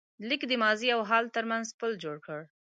لیک د ماضي او حال تر منځ پُل جوړ کړ.